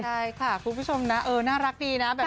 ใช่ค่ะคุณผู้ชมน่ารักดีนะ